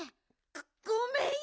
ごめんよ！